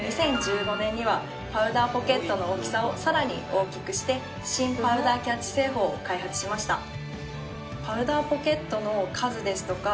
２０１５年にはパウダーポケットの大きさをさらに大きくして新パウダーキャッチ製法を開発しました。